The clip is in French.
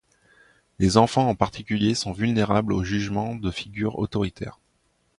Les enfants en particulier sont vulnérables aux jugements de figures autoritaires.